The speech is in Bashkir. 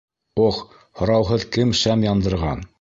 Ох, һорауһыҙ кем шәм яндырған?